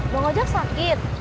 bang ojek sakit